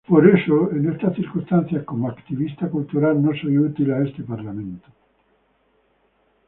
Por eso, en estas circunstancias, como activista cultural, no soy útil a este parlamento..."".